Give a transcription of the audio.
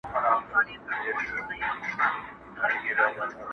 یار اخیستی همېشه د ښکلو ناز دی